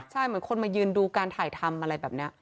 ใช่เหมือนคนมายืนดูการถ่ายทำอะไรแบบนี้